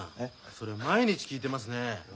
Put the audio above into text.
それ毎日聞いてますね。